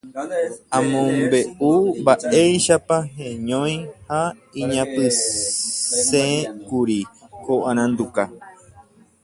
Omombe'u mba'éichapa heñói ha iñapysẽkuri ko aranduka.